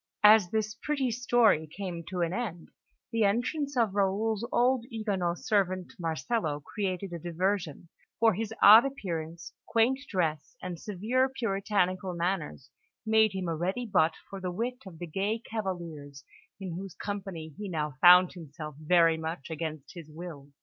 As this pretty story came to an end, the entrance of Raoul's old Huguenot servant, Marcello, created a diversion; for his odd appearance, quaint dress, and severe puritanical manners made him a ready butt for the wit of the gay cavaliers in whose company he now found himself very much against his will.